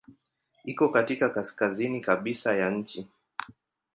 Iko katika kaskazini kabisa ya nchi.